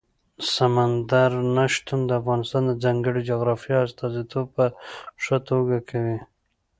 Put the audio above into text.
سمندر نه شتون د افغانستان د ځانګړي جغرافیې استازیتوب په ښه توګه کوي.